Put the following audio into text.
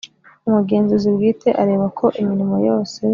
Umugenzuzi bwite areba ko imirimo yose